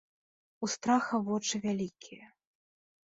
У страха вочы вялікія.